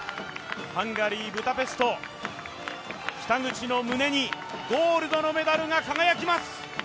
ハンガリー・ブダペスト、北口の胸にゴールドのメダルが輝きます！